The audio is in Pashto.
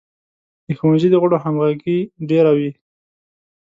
د ښوونځي د غړو همغږي ډیره وي.